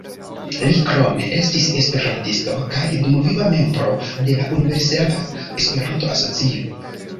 Li krome estis esperantisto, kaj dumviva membro de la Universala Esperanto-Asocio.